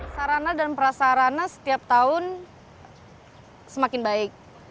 sarana dan prasarana setiap tahun semakin baik